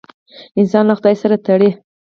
انسان له خدای سره تړي.